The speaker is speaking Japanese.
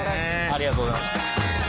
ありがとうございます。